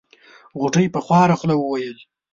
غوټۍ په خواره خوله وويل.